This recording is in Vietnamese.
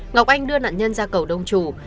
ngọc anh đưa nạn nhân ra cầu đông trù